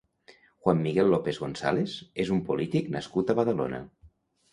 Juan Miguel López González és un polític nascut a Badalona.